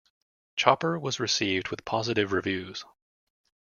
"Chopper" was received with positive reviews.